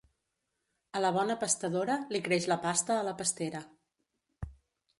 A la bona pastadora li creix la pasta a la pastera.